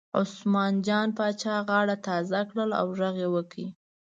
عثمان جان پاچا غاړه تازه کړه او غږ یې وکړ.